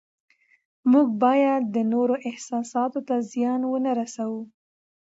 موږ باید د نورو احساساتو ته زیان ونه رسوو